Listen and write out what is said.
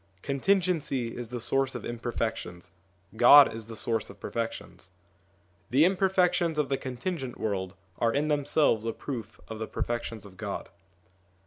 Contingency is the source of imperfections: God is the source of perfections. The imperfections of the contingent world are in themselves a proof of the perfections of God.